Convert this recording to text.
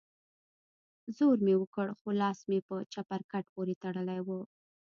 زور مې وکړ خو لاس مې په چپرکټ پورې تړلى و.